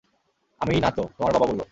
আমি না তো, তোমার বাবা বললো!